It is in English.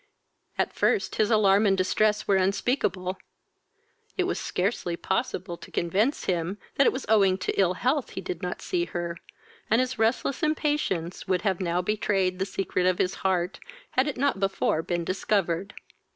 At first his alarm and distress were unspeakable. It was scarcely possible to convince him that it was owing to ill health he did not see her, and his restless impatience would have now betrayed the secret of his heart, had it not before been discovered.